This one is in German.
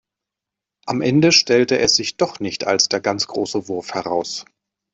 Am Ende stellte es sich doch nicht als der ganz große Wurf heraus.